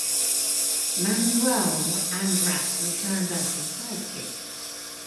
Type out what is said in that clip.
Manuel Andrack returned as his sidekick.